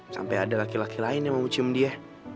sampai ada laki laki lain yang mau mencium dia